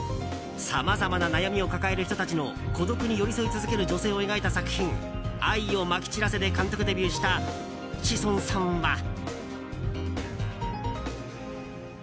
さまざまな悩みを抱える人たちの孤独に寄り添い続ける女性を描いた作品「愛を、撒き散らせ」で監督デビューした志尊さんは。